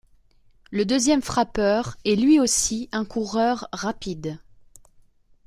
Le deuxième frappeur est lui aussi un coureur rapide.